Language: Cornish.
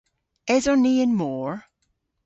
Eson ni y'n mor?